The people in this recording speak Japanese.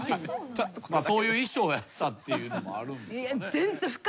そういう衣装やったっていうのもあるんですかね。